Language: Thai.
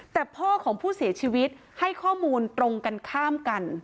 แต่พ่อของผู้เสียชีวิตให้ข้อมูลตรงกันข้ามกัน